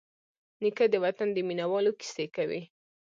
نیکه د وطن د مینوالو کیسې کوي.